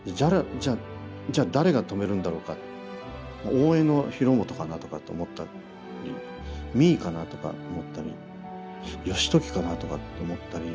じゃあじゃあ誰が止めるんだろうか大江広元かなとかって思ったり実衣かなとか思ったり義時かなとかって思ったり。